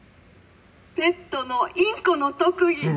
ペットのインコの特技！」。